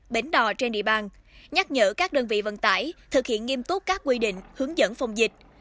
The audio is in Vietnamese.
bến đò trên địa bàn nhắc nhở các đơn vị vận tải thực hiện nghiêm túc các quy định hướng dẫn phòng dịch